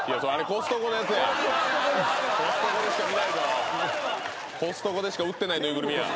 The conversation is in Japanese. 「コストコでしか売ってない縫いぐるみや」